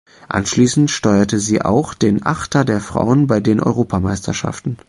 Anschließend steuerte sie auch den Achter der Frauen bei den Europameisterschaften.